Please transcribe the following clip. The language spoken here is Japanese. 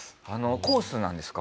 コースなんですか？